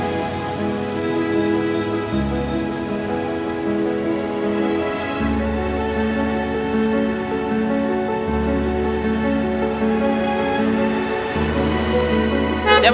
gak pernah ngeieran